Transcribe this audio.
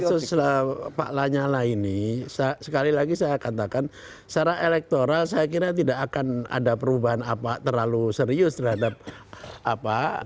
kasus pak lanyala ini sekali lagi saya katakan secara elektoral saya kira tidak akan ada perubahan apa terlalu serius terhadap apa